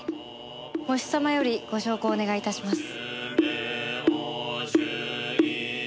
喪主様よりご焼香お願い致します。